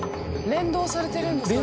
連動されてるんですかね。